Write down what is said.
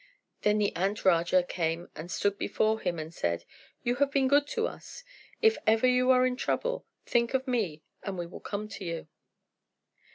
Then the Ant Raja came and stood before him and said, "You have been good to us. If ever you are in trouble, think of me and we will come to you."